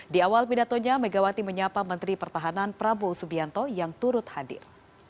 di awal pidatonya megawati menyapa menteri pertahanan prabowo subianto yang turut hadir